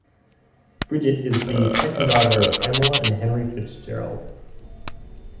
Brigitte is the second daughter of Pamela and Henry Fitzgerald.